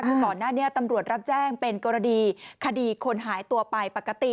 คือก่อนหน้านี้ตำรวจรับแจ้งเป็นกรณีคดีคนหายตัวไปปกติ